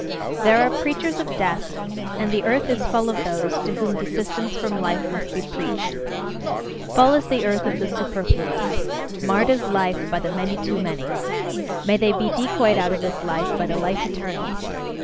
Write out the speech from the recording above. There are preachers of death: and the earth is full of those to whom desistance from life must be preached. Full is the earth of the superfluous; marred is life by the many too many. May they be decoyed out of this life by the "life eternal"!